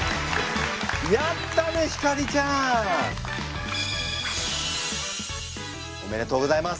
やったね晃ちゃん！おめでとうございます。